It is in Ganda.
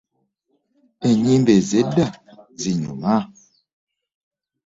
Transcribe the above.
Enyimba z'edda zinyuma.